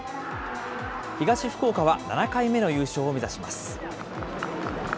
東福岡は７回目の優勝を目指します。